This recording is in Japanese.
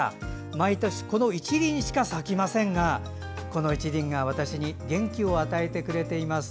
毎年この１輪しか咲きませんがこの１輪が私に元気を与えてくれています。